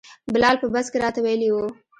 بلال په بس کې راته ویلي وو.